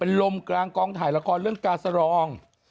เป็นลมกลางกองถ่ายละครเรื่องกาสรอง